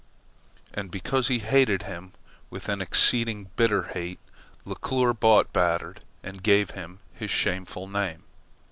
And because he hated him with an exceeding bitter hate, Leclere bought Batard and gave him his shameful name.